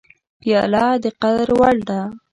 پیاله د قدر وړ ده.